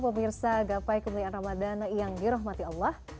pemirsa gapai kumpulian ramadana yang dirahmati allah